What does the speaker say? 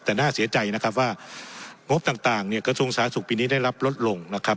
แต่น่าเสียใจนะครับว่างบต่างเนี่ยกระทรวงสาธารณสุขปีนี้ได้รับลดลงนะครับ